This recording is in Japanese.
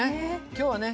今日はね